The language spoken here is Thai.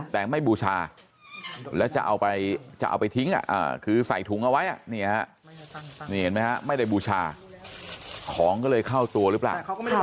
แต่ไม่บูชาแล้วจะเอาไปทิ้งคือใส่ถุงเอาไว้เห็นไหมฮะไม่ได้บูชาของก็เลยเข้าตัวหรือเปล่า